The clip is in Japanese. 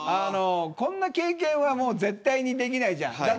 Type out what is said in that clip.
こんな経験はもう絶対にできないじゃん。